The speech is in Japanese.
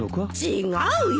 違うよ。